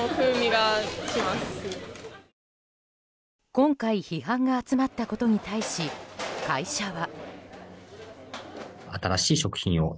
今回、批判が集まったことに対し、会社は。